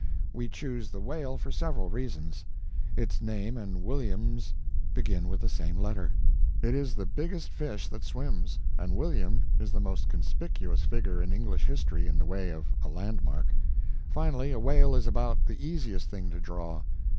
We choose the whale for several reasons: its name and William's begin with the same letter; it is the biggest fish that swims, and William is the most conspicuous figure in English history in the way of a landmark; finally, a whale is about the easiest thing to draw.